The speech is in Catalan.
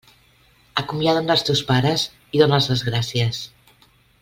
Acomiada'm dels teus pares i dóna'ls les gràcies.